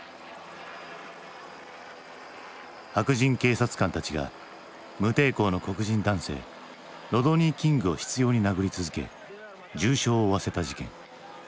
白人警察官たちが無抵抗の黒人男性ロドニー・キングを執ように殴り続け重傷を負わせた事件。